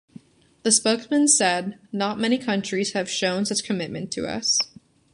The spokesman said that "not many countries have shown such commitment to us".